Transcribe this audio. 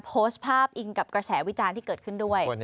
โพสต์ภาพอิงกับกระแสวิจารณ์ที่เกิดขึ้นด้วย